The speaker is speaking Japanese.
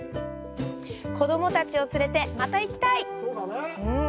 子供たちを連れて、また行きたい！